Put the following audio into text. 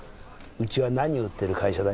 うちは何を売ってる会社だ？